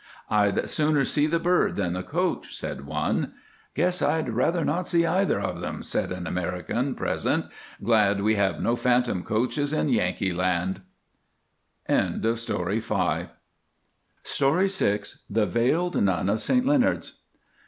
"I'd sooner see the bird than the coach," said one. "Guess I'd rather not see either of them," said an American present, "glad we have no phantom coaches in Yankeeland." The Veiled Nun of St Leonards.